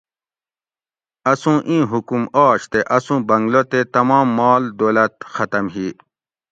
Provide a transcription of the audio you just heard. اسوں اِیں حکم آش تے اسوں بنگلہ تے تمام مال دولت ختم ہی